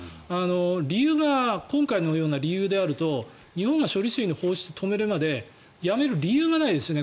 理由が今回のような理由であると日本が処理水の放出を止めるまでやめる理由がないですよね。